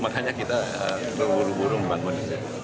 makanya kita berburu buru membangun